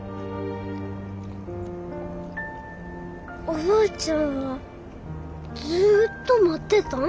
おばあちゃんはずっと待ってたん？